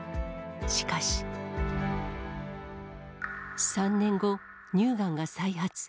しかし。３年後、乳がんが再発。